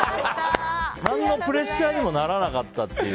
何のプレッシャーにもならなかったという。